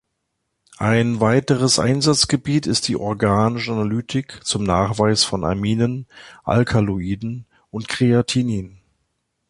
Ein weiteres Einsatzgebiet ist die organische Analytik zum Nachweis von Aminen, Alkaloiden und Kreatinin.